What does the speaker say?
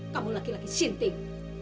kamu laki laki sinting